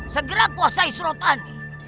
segera kuasai surotani